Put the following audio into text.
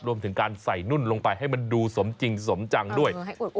รวมถึงการใส่นุ่นลงไปให้มันดูสมจริงสมจังด้วย